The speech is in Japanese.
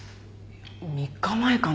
３日前かな？